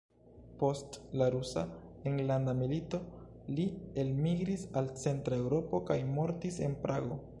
Post la Rusa Enlanda Milito li elmigris al Centra Eŭropo kaj mortis en Prago.